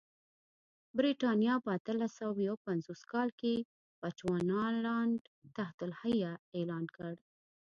برېټانیا په اتلس سوه یو پنځوس کال کې بچوانالنډ تحت الحیه اعلان کړ.